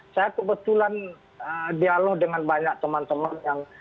saya kebetulan dialog dengan banyak teman teman yang